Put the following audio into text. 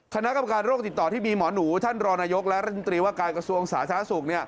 คณะกรรมการโรคติดต่อที่มีหมอหนูท่านรองนายกและรัฐมนตรีว่าการกระทรวงสาธารณสุข